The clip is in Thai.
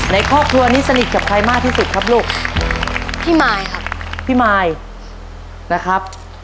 ในครอบครัวนี้สนิทกับใครมากที่สุดครับลูกพี่มายครับพี่มายนะครับ